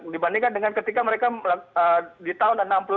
dibandingkan dengan ketika mereka di tahun seribu sembilan ratus enam puluh tujuh